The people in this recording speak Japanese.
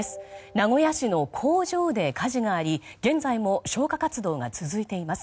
名古屋市の工場で火事があり現在も消火活動が続いています。